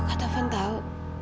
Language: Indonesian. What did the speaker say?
kok kak taufan tahu